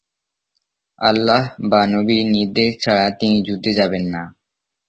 আল্লাহ বা নবীর নির্দেশ ছাড়া তিনি যুদ্ধে যাবেন না।